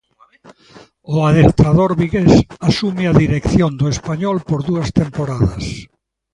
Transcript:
O adestrador vigués asume a dirección do Español por dúas temporadas.